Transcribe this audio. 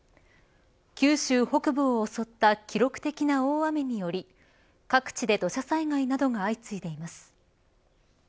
九州北部を襲った記録的な大雨により各地で土砂災害などが相次いでいます。